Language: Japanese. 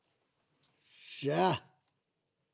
よっしゃー！